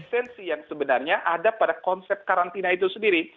esensi yang sebenarnya ada pada konsep karantina itu sendiri